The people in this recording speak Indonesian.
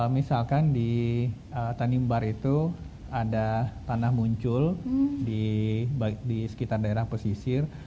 misalkan di tanimbar itu ada tanah muncul di sekitar daerah pesisir